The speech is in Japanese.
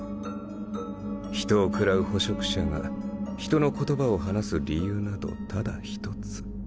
人を食らう捕食者が人の言葉を話す理由などただ１つ。